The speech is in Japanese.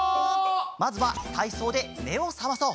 まずはたいそうでめをさまそう！